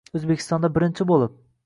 O’zbekistonda birinchi bo’lib